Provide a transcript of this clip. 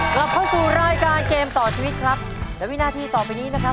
กลับเข้าสู่รายการเกมต่อชีวิตครับและวินาทีต่อไปนี้นะครับ